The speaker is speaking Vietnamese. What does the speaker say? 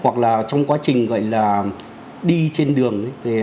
hoặc là trong quá trình gọi là đi trên đường